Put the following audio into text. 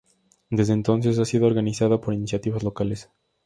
Desde entonces ha sido organizada por iniciativas locales.